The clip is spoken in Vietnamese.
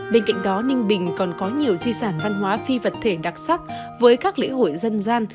bên cạnh đó ninh bình còn có nhiều di sản văn hóa phi vật thể đặc sắc với các lễ hội dân gian